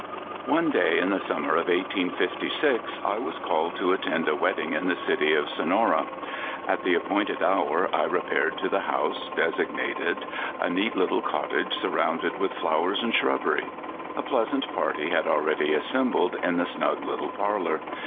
H^INE day in the summer of 1856, 1 was called I'ljwt to attend a wedding in the city of Sonora. ^m:60 At the appointed hour I repaired to the house designated, a neat little cottage surrounded with flowers and shrubbery. A pleasant party had already assembled in the snug little parlor.